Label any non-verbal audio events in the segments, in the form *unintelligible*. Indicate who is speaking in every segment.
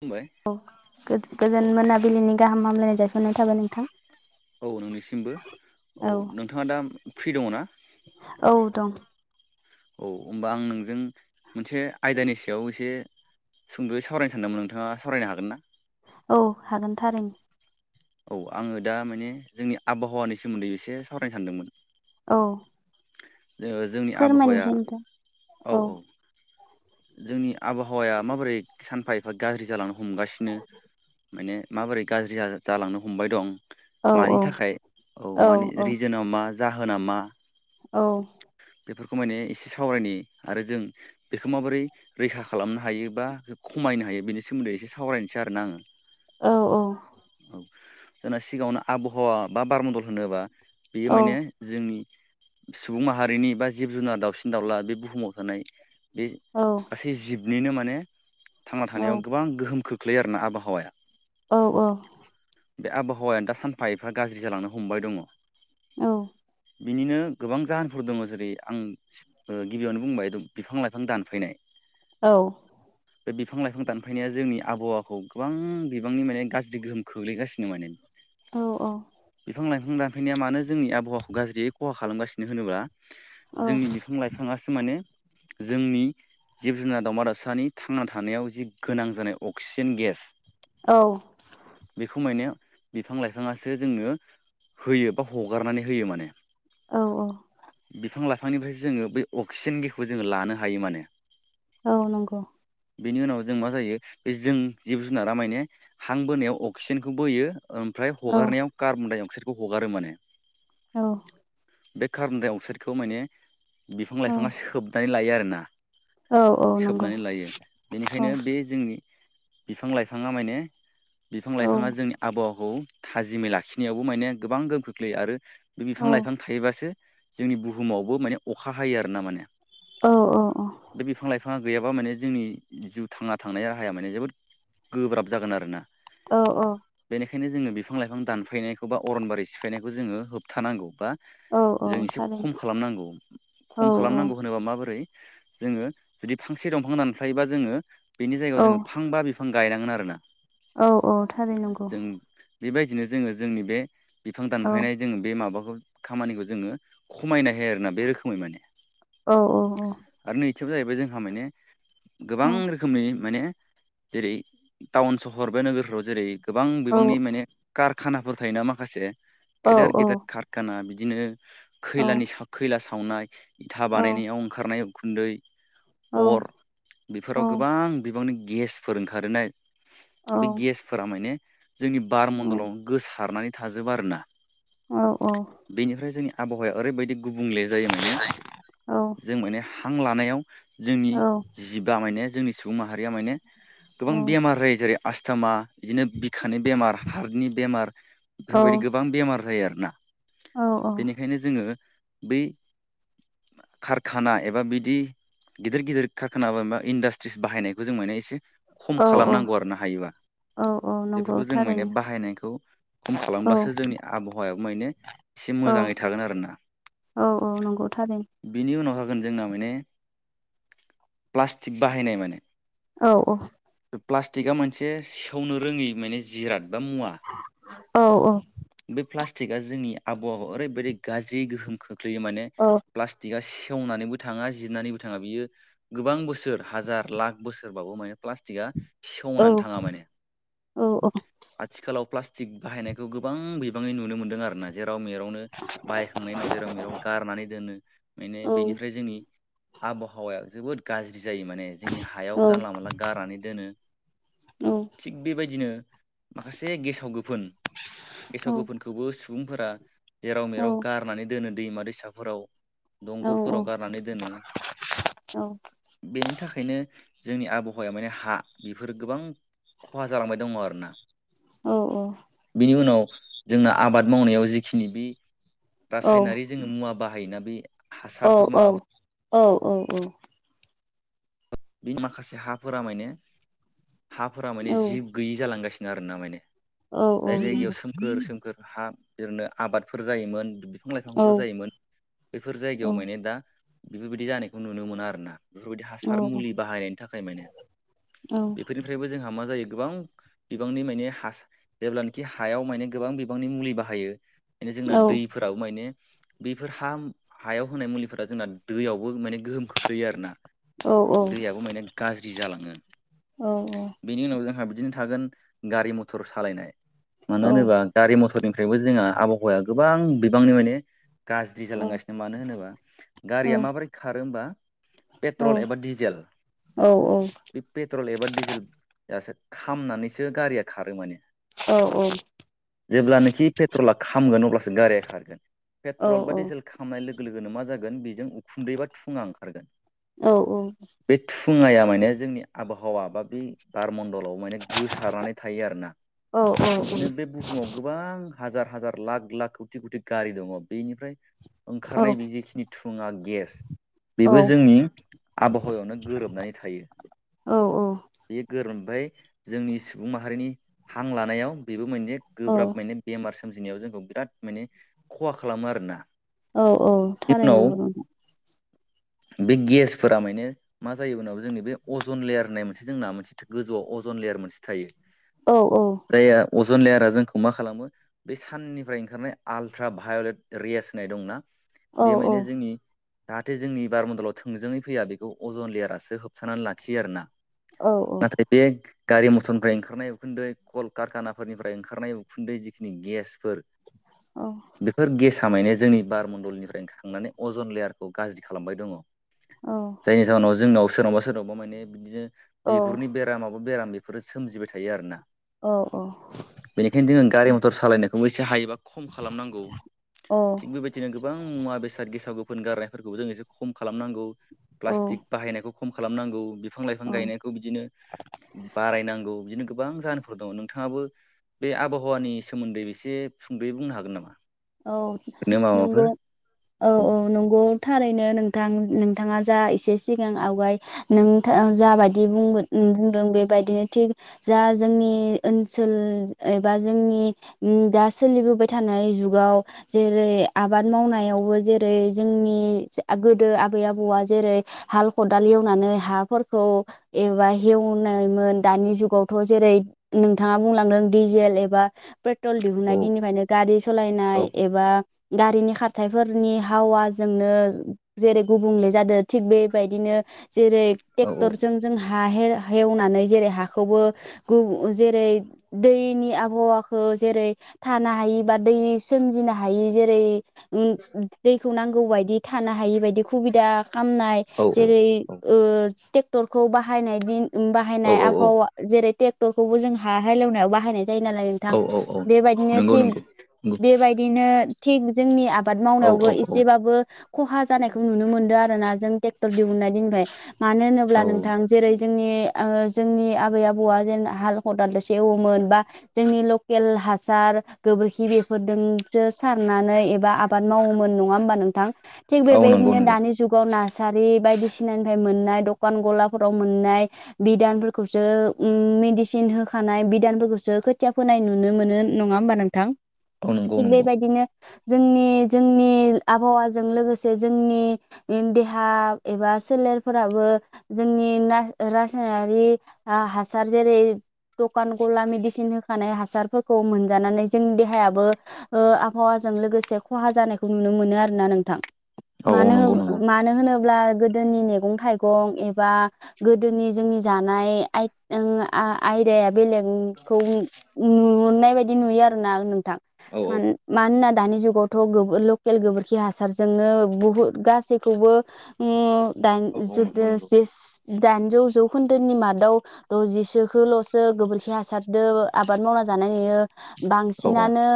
Speaker 1: खुलुमबाय
Speaker 2: औ
Speaker 1: औ
Speaker 2: गोज-गोजोन मोनाबिलिनि गाहाम हामलायनाय जासिहरनाय थाबाय नोंथां।
Speaker 1: औ नोंनिसिमबो औ नोंथाङा दा फ्रि दङ ना?
Speaker 2: औ दं
Speaker 1: औ होमबा आं नोंजों मोनसे आयदानि सायाव एसे सुंद'यै सावरायनो सानदोंमोन नोंथाङा सावरायनो हागोन ना?
Speaker 2: औ हागोन थारैनो।
Speaker 1: औ आङो दा माने जोंनि आबहावानि सोमोन्दै एसे सावरायनो सानदोंमोन।
Speaker 2: औ
Speaker 1: जोङो जोंनि आबहावाया
Speaker 2: फोरमायनोसै नोंथां
Speaker 1: औ औ जोंनि आबहावाया माबोरै सानफा एफा गाज्रि जालांनो हमगासिनो माने माबोरै गाज्रि जा-जालांनो हमबाय दं
Speaker 2: औ
Speaker 1: मानि
Speaker 2: औ
Speaker 1: थाखाय औ मानि रिजोनाव मा जाहोन नामा
Speaker 2: औ
Speaker 1: बेफोरखौ माने एसे सावरायनि आरो जों बेखौ माबोरै रैखा खालामनो हायो बा खम मायनो हायो बेनि सोमोन्दै एसे सावरायनोसै आरोना आङो।
Speaker 2: औ औ
Speaker 1: औ जोंना सिगाङावनो आबहावा बा बारमडल होनोबा बेयो
Speaker 2: औ
Speaker 1: माने जोंनि सुबुं माहारिनि बा जिब जुनार दाउसिन दाउला बे बुहुमाव थानाय बे
Speaker 2: औ
Speaker 1: गासै जिबनिनो माने थांना
Speaker 2: औ
Speaker 1: थानायाव गोबां गोहोम खोख लैयो आरोना आबहावाया
Speaker 2: औ औ
Speaker 1: बे आबहावायानो दा सानफा एफा गाज्रि जालांनो हमबाय दङ।
Speaker 2: औ
Speaker 1: बिनिनो गोबां जाहोनफोर दङ जेरै आं ओ गिबियावनो बुंबाय बिफां लाइफां दानफायनाय।
Speaker 2: औ
Speaker 1: बे बिफां लाइफां दानफायनाया जोंनि आबहावाखौ गोबां बिबांनि माने गाज्रि गोहोम खोख्लैगासिनो माने। बिफां लाइफां दानफायनाया मानो जोंनि आबहावाखौ गाज्रियै खहा खालामगासिनो होनोबा जोंनि बिफां लाइफाङासो माने जोंनि जिब जुनार दावमा दाउसानि थांना थानायाव जि गोनां जानाय अक्सिजेन गेस
Speaker 2: औ
Speaker 1: बेखौ मोनो। बिफां लाइफाङासो जोंनो होयो बा हगारनानै होयो माने।
Speaker 2: औ औ
Speaker 1: बिफांनिफ्रायसो जोङो बै अक्सिजेन गेखौ जोङो लानो हायो माने।
Speaker 2: औ नंगौ
Speaker 1: बेनि उनाव जों मा जायो बे जों जिब जुनारा माने हां बोनायाव अक्सिजेनखौ बोयो ओमफ्राय
Speaker 2: औ
Speaker 1: हगारनायाव कार्बन डाइ अक्साइदखौ हगारो माने।
Speaker 2: औ
Speaker 1: बे कार्बन डाइ अक्साइदखौ माने बिफां
Speaker 2: औ
Speaker 1: लाइफाङा सोबनानै लायो आरोना।
Speaker 2: औ औ नंगौ
Speaker 1: सोबनानै लायो
Speaker 2: औ
Speaker 1: बेनिखायनो बे जोंनि बिफां लाइफाङा माने बिफां
Speaker 2: औ
Speaker 1: लाइफाङा जोंनि आबहावाखौ थाजिमै लाखिनायावबो माने गोबां गोहोम खोख्लैयो आरो बे बिफां
Speaker 2: औ
Speaker 1: लाइ- थायोबासो जोंनि बुहुमावबो माने अखा हायो आर ना माने
Speaker 2: औ औ औ
Speaker 1: बिफाङा गैयाबा माने जोंनि जिउ थांना थांनाय राहाया माने जोबोद गोब्राब जागोन आरोना।
Speaker 2: औ औ
Speaker 1: *inaudible*
Speaker 2: औ औ
Speaker 1: जों एसे
Speaker 2: थारैनो
Speaker 1: खम खालामनांगौ
Speaker 2: औ
Speaker 1: खम खालामनांगौ होनोल्बा माबादि। जोङो जुदि फांसे दंफां दानफायोबा जोङो बेनि जायगायाव
Speaker 2: औ
Speaker 1: जोङो फां बा बिफां। बिफां गायनांगोन आरो ना।
Speaker 2: औ औ थारै नंगौ।
Speaker 1: बेबायदिनो जोङो जोंनि बे बिफां
Speaker 2: औ
Speaker 1: दानफायनाय जोङो बे माबाखौ। खामानिखौ जोङो खमायनो हायो आरोना बे रोखोमै माने।
Speaker 2: औ औ औ।
Speaker 1: खथियाव जाहैबाय जोंहा माने गोबां रोखोमनि माने। जेरै टाउन सहर बा नोगोरफ्राव जेरै गोबां
Speaker 2: औ
Speaker 1: बिबांनि माने कार। कखानाफोर थायोना माखासे
Speaker 2: औ
Speaker 1: गेदेर
Speaker 2: औ
Speaker 1: गेदेर कारखाना बिदिनो
Speaker 2: औ
Speaker 1: खैला। सावनाय इथा
Speaker 2: औ
Speaker 1: बानायनायाव ओंखारनाय उखुन्दै। अर
Speaker 2: औ
Speaker 1: बेफोराव
Speaker 2: औ
Speaker 1: गोबां बिबांनि गेसफोर ओंखारोनाय। बे गेसफोरा माने। जोंनि बारमडलावनो गोसारनानै थाजोबा आरोना।
Speaker 2: औ औ।
Speaker 1: बेनिफ्राय जोंनि आबहावाया ओरैबायदि गुबुंले जायो माने जों माने हां लानायाव। जोंनि जिबआ माने जोंनि सुबुं माहारिया माने गोबां बेमार रायो जेरै। आस्थामा बिदिनो बिखानि बेमार हार्टनि बेमार बेफोरबायदि गोबां बेमार जायो आरोना। बेनिखायनो जोङो बै। कारखाना एबा बिदि। गिदिर गिदिर खारखाना एबा इन्डासट्रिस बाहायनायखौ जों मोनो एसे। खम
Speaker 2: औ
Speaker 1: खालामनांगौ आरो ना हायोबा।
Speaker 2: औ नंगौ
Speaker 1: बेफोरखौ जों माने
Speaker 2: थारैनो
Speaker 1: बाहायनायखौ खम
Speaker 2: औ
Speaker 1: खालामब्लासो जोंनि आबहावायाव। एसे
Speaker 2: औ
Speaker 1: मोजाङै थागोन आरो ना
Speaker 2: औ औ नंगौ थारैनो
Speaker 1: बिनि उनावहाय। जोगोन जोंना माने प्लास्टिक बाहायनाय माने।
Speaker 2: औ औ।
Speaker 1: प्लास्टिक मोनसे सेवनो रोङै माने जिराद। एबा मुवा
Speaker 2: औ
Speaker 1: बे प्लास्टिका। जोंनि आबहावाखौ ओरैबायदि गाज्रि गोहोम खोख्लैयो माने
Speaker 2: औ
Speaker 1: प्लास्टिकआ। सेवनानैबो थाङा जिरनानैबो थाङा बियो गोबां बोसोर हाजार लाख बोसोरबाबो माने प्लास्टिकआ।
Speaker 2: औ
Speaker 1: सेवनानै थाङा माने
Speaker 2: औ
Speaker 1: आथिखालाव प्लास्टिक। प्लास्टिक बाहायनायखौ गोबां बिबाङै नुनो मोन्दों आरो ना जेराव। जेराव मेरावनो बाहायखांनायनि उनाव जेराव मेराव गारनानै दोनो बेनिफ्राय जोंनि। आबहावाया जोबोद गाज्रि। जायो माने जोंनि हायाव जानला मानला गारनानै दोनो थिग बेबायदिनो। माखासे गेसाव गोफोन गेसाव गोफोनखौबो सुबुंफोरा। जेराव मेराव गारनानै दोनो दैमा दैसाफोराव। दंग'फोराव गारनानै दोनो बेनि थाखाय। बेंखायनो जोंनि आबहावाया माने हा बेफोर गोबां खहा जालांबाय दङ आरो ना।
Speaker 2: औ औ।
Speaker 1: जोंना आबाद मावनायाव जिखिनि बे रासायनारि जोङो मुवा बाहायोना बे। हासारफोर माबाफोर।
Speaker 2: औ औ औ।
Speaker 1: बे माखासे हाफोरा माने हाफोरा माने जिब गैयि जालांगासिनो। आरोना माने जाय जायगायाव सोमखोर सोमखोर हा। आबादफोर जायोमोन बिफां लाइफांफोर जायोमोन बफोर जायगायाव माने दा। बेफोरबायदि जानायखौ नुनो मोनो आरोना बेफोरबायदि हासार।
Speaker 2: औ
Speaker 1: मुलि बाहायनायनि थाखाय माने
Speaker 2: औ
Speaker 1: बेफोरनिफ्रायबो जों। जोंहा माजायो गोबां बिबांनि माने जेब्लानखि हायाव माने गोबां बिबांनि मुलि बाहायो। बेनो
Speaker 2: औ
Speaker 1: जोंना दैफोराबो माने बेफोर हा हायाव होनाय मुलिफोरा जोंना दैयावबो माने गोहोम खोख्लैयो आरो ना दैयाबो माने गाज्रि जालाङो बेनि उनाव जोंहा बिदिनो थागोन गारि मथर सालायनाय मानो होनोबा गारि मथरनिफ्रायबो जोंहा आबहावाया गो गोबां बिबांनि माने गाज्रि जालांगासिनो मानो होनोबा गारिया माबोरै खारो होमबा पेट्रल एबा डिजेल बे पेट्रल बा दिजेलासो खामनानैसो गारिया खारो माने जेब्लानोखि पेट्रला खामगोन अब्लासो गारिया खारगोन पेट्रल बा डिजेल ख खालामनाय लोगो लोगोनो मा जागोन बेजों खुन्दैबा थुङा ओंखारगोन बे थुङाया माने जोंनि आबहावा वा बै बार मण्डल व माने गोसारनानै थायो आरो ना बिदिनो बे बुहुमाव गोबां हाजार हाजार लाख लाख कौटि कौटि गारि दङ बेनिफ्राय ओंखारनाय बेेजिखिनि धुङा गेस बेबो जोंनि आबहावायावनो गोरोबनानै थायो बे गोरोबाय जोंनि सुबुं माहारिनि हां लानायाव बेबो माने
Speaker 2: औ
Speaker 1: गोब्राब माने बेमार सोमजिनायाव जोंखौ बिराद माने खहा खालामो आरो ना
Speaker 2: औ औ थारै नंगौ नामा?
Speaker 1: बे गेसफोरा माने मा जायो उनाव जोंनि बे अजन लेयार होननाय मोनसे जोंना मोनसे गोजौआव अजन लेयार मोनसे थायो
Speaker 2: औ औ
Speaker 1: जन लेयारा जोंखौ मा खालामो बे साननिफ्राय ओंखारनाय आल्ट्रा भायलेट रेयास होननाय दंना
Speaker 2: औ
Speaker 1: बे माने
Speaker 2: औ
Speaker 1: जोंनि जाहाथे जोंनि बारमडलाव थोंजोङै फैया बेखौ अजन लेयारासो होबथानानै लाखियो आरो ना
Speaker 2: औ
Speaker 1: नाथाय बेग गारि मथरनिफ्राय ओंखारनाय उखुन्दै कल कारखानाफोरनिफ्राय ओंखारनाय उखुन्दै जिखिनि गेस फोर बेफोर गेसा माने जोंनि बारमण्डलनिफ्राय ओंखारनानै अजन लेयारखौ गाज्रि खालामबाय दङ। जायनि जाहोनाव जोंनाव सोरनावबा सोरनावबा माने बिदिनो
Speaker 2: औ
Speaker 1: बिगुरनि बेराम माबा बेराम फोर सोमजिबाय थायो आरो ना बेनिखायनो जोंङो गारि मथर सालायनायखौबो एसे हायोबा खम खालामनांगौ थिग बेबायदिनो गोबां मुवा बेसाद गेसाव गोफोन गारनायफोरखौबो जों एसे खम खालामनांगौ प्लास्टिक बाहायनायखौ खम खालाम नांगौ बिफां लाइफां गायनायखौ बिदिनो बारायनांगौ बि- गोबां जाहोनफोर दङ नोंथाङाबो बे आबहावानि सोमोन्दै एसे सुंदयै बुंनो हागोन नामा?
Speaker 2: औ
Speaker 1: ओरैनो
Speaker 2: नंगौ
Speaker 1: माबाफोर
Speaker 2: औ औ नंगौ थारैनो नोंथां नोंथाङा जा एसे सिगां आवगाय नोंथा जा बायदि बुंगोन। बुंदों बेबायदिनो थिग जा जोंनि ओनसोल एबा जोंनि दा सोलिबोबाय थानाय जुग आबाद मावनायावबो जेरै जोंनि गोदो आबै आबौआ जों जेरै हाल खदाल एवनानै हाफोरखौ एबा हेवनायमोन दानि जुगाव जेरै नोंथाङा बुंलांदों दिजेल एबा पेट्रल दिहुनाय दिननिफ्रायनो गारि
Speaker 1: औ
Speaker 2: सालायनाय एबा गारिनि खारथायाइफोरनि हावाजोंनो जेरै गुबुंले जादों थिग बेबायदिनो जेरै
Speaker 1: औ
Speaker 2: टेक्टर जों हा हा हेव हेवनानै जेरै हाखौबो गु जेरै दैनि आबहावाखौ जेरै थानो हायि बा दै सोमजिनो हायि जेरै दै खौ नांगौ बायदि थानो हायि बायदि खुबिदा खालामनाय
Speaker 1: औ
Speaker 2: जेरै ओ टेक्टर खौ बाहायनायदि बाहायनाय आबहावा जेरै टेक्टरखौबो जों हा हालेवनायाव बाहायनाय जायो नालाय
Speaker 1: औ
Speaker 2: नोंथां
Speaker 1: औ औ
Speaker 2: बेबायदिनो
Speaker 1: नंगौ
Speaker 2: थिग
Speaker 1: नंगौ नंगौ
Speaker 2: बेबायदिनो थिग जोंनि आ बाद
Speaker 1: औ
Speaker 2: मावनायावबो
Speaker 1: औ औ
Speaker 2: एसेबाबो खहा जानायखौ नुनो मोनदो आरो ना जों टेक्टर दिहुननाय दिननिफ्राय मानो होनोब्ला
Speaker 1: औ
Speaker 2: नोंथां जेरै जोंनि आ जोंनि आबै आबौआ जेन हाल खदालदोस हेवोमोन बा जोंनि लकेल हासार गोबोरखि खि बेफोरदोंसो सारनानै एबा आबाद मावोमोन नंङा होमबा नोंथां थिग
Speaker 1: औ नंगौ
Speaker 2: बेबायदिनो
Speaker 1: नंगौ
Speaker 2: दानि जुगाव नास सारि बायदिसिनानिफाय मोननाय दकान गलाफोराव मोननाय बिदानफोरखौसो उम मेडिसिन होखानाय बिदानफोरखौसो खोथिया फोनाय नुनो मोनो नंङा होमबा नोंथां
Speaker 1: औ नंगौ
Speaker 2: थिग
Speaker 1: नंगौ
Speaker 2: बेबायदिनो जोंनि-जोंनि आबहावाजों लोगोसे जोंनि देहा एबा सोलेरफोराबो जोंनि ना रासायनारि आ हासार जेरै दकान गला मेडिसिन होखानाय हासारफोरखौ मोनजानानै जोंनि देह हायाबो ओ आबहावाजों लोगोसे खहा जानायखौ नुनो मोनो आरोना नोंथां
Speaker 1: औ औ नंगौ नंगौ
Speaker 2: मानोहो-मानो होनोब ब्ला गोदोनि मैगं थाइगं एबा गोदोनि जोंनि जानाय आइ ओं आ आ-आयदाया बेलेगखौ नुनाय बायदि नुयो आरो ना नों थां
Speaker 1: औ औ
Speaker 2: मानो-मानोना दानि जुगावथ' गोबो लखेल गोबोरखि हासार जोंनो बुहुत गासैखौबो उम *unintelligible*
Speaker 1: औ औ नंगौ नंगौ
Speaker 2: दाइनजौ जौखोन्दोनि मादाव दजिसोखोल'सो गोबोरखि हासार दो आबाद मावना जानाय नुयो
Speaker 1: औ
Speaker 2: बांसिनानो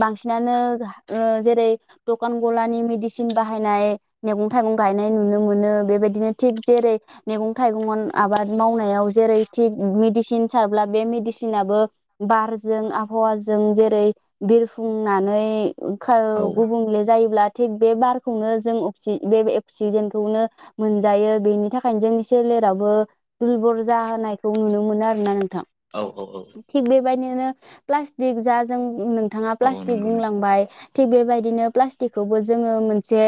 Speaker 2: बांसिनानो ओ जेरै दकान गलानि मेडिसिन बाहायनाय मैगं-थाइगं गं गायनाय नुनो मोनो बेबायदिनो थिग जेरै मेगं थाइगं आबाद मावनायाव जेरै थिग मेडिसिन सारब्ला बे मेडिसिनाबो बारजों आबहावाज जों जेरै बिरफुंनानै खा
Speaker 1: औ
Speaker 2: ओ गुबुंले जायोब्ला थिग बे बारखौनो जों बे अक्सि बे अक्सिजेनखौनो मोनजायो बेनि थाखायनो जोंनि सोले लेरावबो दुरबल जाहोनायखौ नुनो मोनो आरोना नों थां
Speaker 1: औ औ
Speaker 2: थिग बेबायदिनो प्लासथिग जा जों नों थांङा
Speaker 1: औ औ
Speaker 2: प्लास्टिक
Speaker 1: नंगौ नंगौ
Speaker 2: बुंलांबाय थिग बेबायदिनो प्लास्टिक खौबो जोंङो मोनसे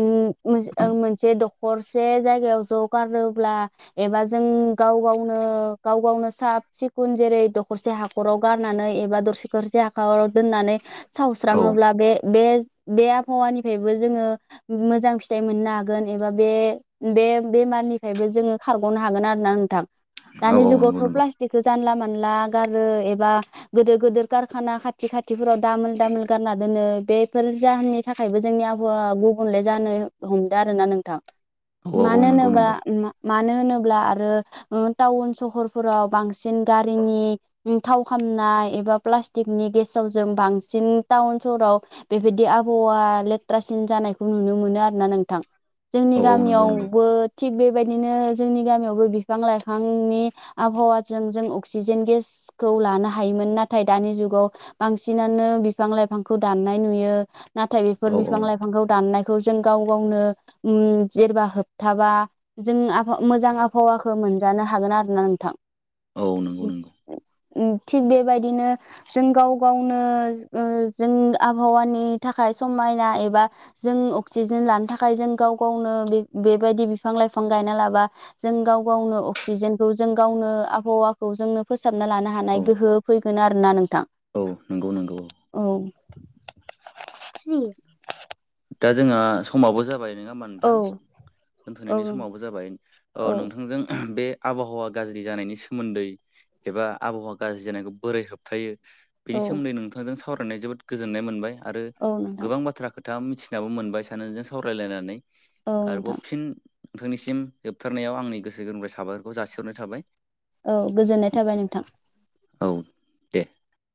Speaker 2: उम मोज ओ मोनसे दखरसे जायगायाव ज गारो ब्ला एबा जों गाव गावनो गाव गावनो साब सिखुन जेरै दखरसे हाखराव गारनानै एबा दरसे थरसे हाखराव दोननानै
Speaker 1: औ
Speaker 2: सावस्रांङोब्ला बे-बे बे आबहावानिफायबो जोंङो मोजां फिथाइ मोननो हागोन एबा बे-बे-बे मारनिफ्रायबो जोंङो खारगनो हागोन आरो ना नोंथां
Speaker 1: औ
Speaker 2: दानि
Speaker 1: औ नंगौ
Speaker 2: जुगावथ'
Speaker 1: नंगौ
Speaker 2: प्लास्टिकखो जानला मोनला गारो एबा गोदोर-गोदोर कारखाना खाथि खाथिफोराव दामोल दामोल गारना दोनो बेफोर जाहोननि थाखायबो जोंनि आबहावा गु गुबुनले जानो हमदो आरोना नोंथां
Speaker 1: औ औ औ
Speaker 2: मानो
Speaker 1: नंगौ
Speaker 2: होनोबा
Speaker 1: नंगौ
Speaker 2: मा मानो होनोब्ला आरो ओ टाउन सहरफोराव बांसिन गारिनि थाव खाम नाय एबा प्लासटिकनि गेसाव जों बांसिन टाउन सहराव बेफोरदि आबहावा लेत्ट्रासिन जान नायखौ नुनो मोनो आरोना नोंथां जोंनि
Speaker 1: औ औ नंगौ नंगौ
Speaker 2: गामियावबो थिग बेबायदिनो जोंनि गामियावबो बिफां लाइफांनि आबहावाजों जों अक्सिजेन गेसखौ लानो हायोमोन नाथ थाय दानि जुगाव बांसिनानो बिफां लाइफांखौ दान्नाय नुयो नाथाय
Speaker 1: औ
Speaker 2: बेफोर बिफां लाइफांखौ दाननाय खौ‌ जों गाव गावनो उम जेरबा होबथाबा जों आबहा मोजां आबहावाखो मोनजानो हागोन आरोना नोंथां
Speaker 1: औ नंगौ-नंगौ
Speaker 2: उम थिक बेबाय दिनो जों गाव गावनो ओ जों आबहावानि थाखाय समायना एबा जों अक्सिजेन लानो थाखाय जों गाव गावनो बेबायदि बिफां-लाइफां गायना लाबा जों गाव गावनो अक्सिजेनखौ जों गावनो आबहावाखौ जोंनो फोसाबना लानो
Speaker 1: औ
Speaker 2: हानाय गोहो फैगोन आरोना नों
Speaker 1: औ नोंगौ-नोंगौ औ।
Speaker 2: *unintelligible*
Speaker 1: दा जोंहा समाबो जाबाय। नङा होमबा
Speaker 2: औ
Speaker 1: नोंथां
Speaker 2: औ
Speaker 1: दोनथ'नायनि समावबो जाबाय
Speaker 2: औ
Speaker 1: नोंथांजों बे आबहावा गाज्रि जानायनि सोमोन्दै एबा आबहावा गाज्रि जानायखौ बोरै होबथायो। बेनि
Speaker 2: औ
Speaker 1: सोमोन्दै नोंथांजों सावरायनाय जोबोद गोजोननाय मोनबाय आरो
Speaker 2: औ नोंथां
Speaker 1: गोबां बाथ्रा खोथा मिथि बिनाबो मोनबाय सानैजों सावरायलायनानै
Speaker 2: औ
Speaker 1: आरोबाव
Speaker 2: नोंथां
Speaker 1: फिन नोंथांनिसिम जोबथारनायाव आंनि गोसो गोरबोनिफ्राय साबायखरखौ जासिहरनाय थाबाय।
Speaker 2: औ गोजोननाय थाबाय नोंथां।
Speaker 1: औ दे।